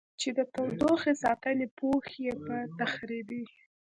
چې د تودوخې ساتنې پوښ یې په تخریبي